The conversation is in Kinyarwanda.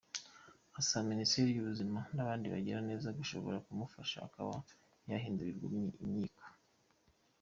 Asaba minisiteri y’Ubuzima n’abandi bagira neza bashoboye kumufasha akaba yahindurirwa imyiko.